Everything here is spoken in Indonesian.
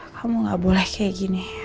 kamu gak boleh kayak gini